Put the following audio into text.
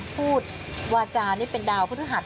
พูดวาจารย์เป็นดาวพุทธหัส